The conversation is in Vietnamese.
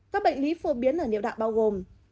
các bệnh lý phổ biến ở nhiệu đạo bao gồm